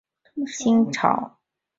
清朝及中华民国政治人物。